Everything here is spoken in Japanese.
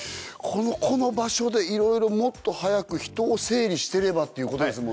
この場所でいろいろもっと早く人を整理してればっていうことですもんね。